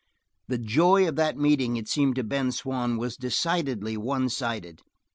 The joy of that meeting, it seemed to Ben Swann, was decidedly one sided.